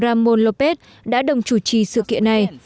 ramon lopez đã đồng chủ trì sự kiện này